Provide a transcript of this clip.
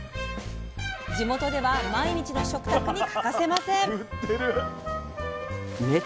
地元では毎日の食卓に欠かせません。